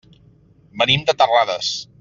Venim de Terrades.